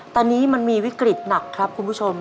ตอนนี้มันมีวิกฤตหนักครับคุณผู้ชม